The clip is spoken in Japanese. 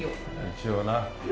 一応な。